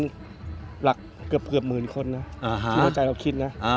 อันดับลักษณ์เกือบหมื่นคนนะที่ในใจเราคิดนะ